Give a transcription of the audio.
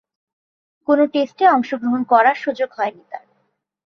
কোন টেস্টে অংশগ্রহণ করার সুযোগ হয়নি তার।